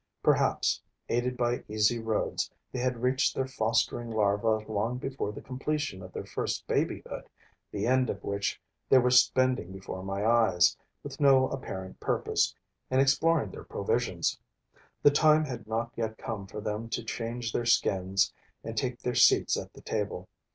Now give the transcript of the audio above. Perhaps, aided by easy roads, they had reached their fostering larvae long before the completion of their first babyhood, the end of which they were spending before my eyes, with no apparent purpose, in exploring their provisions. The time had not yet come for them to change their skins and take their seats at the table.